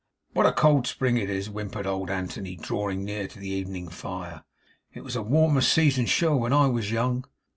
'What a cold spring it is!' whimpered old Anthony, drawing near the evening fire, 'It was a warmer season, sure, when I was young!